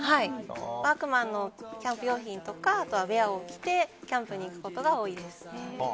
ワークマンのキャンプ用品とかウェアを着てキャンプに行くことが多いです。